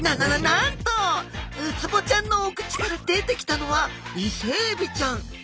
なんとウツボちゃんのお口から出てきたのはイセエビちゃん。